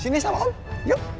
sini sama om yuk